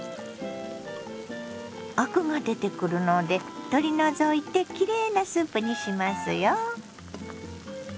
アクが出てくるので取り除いてきれいなスープにしますよ。